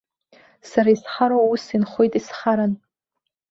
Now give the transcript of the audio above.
Сара исхароу ус инхоит исхаран.